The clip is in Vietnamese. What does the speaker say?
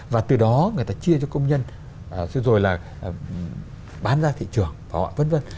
và từ đó người ta chia cho công nhân xưa rồi là bán ra thị trường và họa vân vân